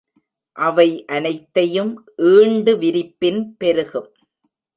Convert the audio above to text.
அவை அனைத்தையும் ஈண்டு விரிப்பின் பெருகும்.